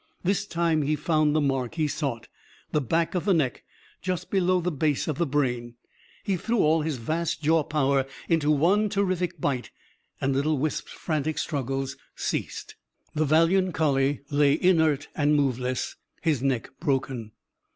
This time he found the mark he sought: the back of the neck, just below the base of the brain. He threw all his vast jaw power into one terrific bite. And little Wisp's frantic struggles ceased. The valiant collie lay inert and moveless; his neck broken.